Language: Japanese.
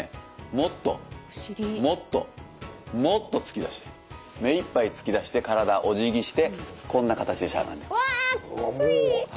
もっともっともっと突き出してめいっぱい突き出して体おじぎしてこんな形でしゃがんで。わきつい！